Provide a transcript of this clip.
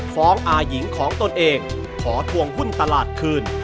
อาหญิงของตนเองขอทวงหุ้นตลาดคืน